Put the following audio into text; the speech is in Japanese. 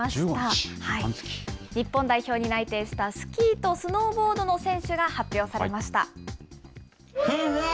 日本代表に内定したスキーとスノーボードの選手が発表されました。